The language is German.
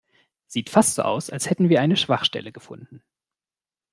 Sieht fast so aus, als hätten wir eine Schwachstelle gefunden.